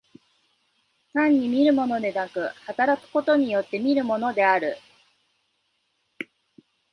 単に見るものでなく、働くことによって見るものである。